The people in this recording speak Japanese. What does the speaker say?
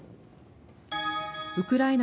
ウクライナ